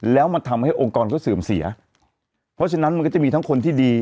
แล้วมันทำให้องค์กรเขาเสื่อมเสียเพราะฉะนั้นมันก็จะมีทั้งคนที่ดี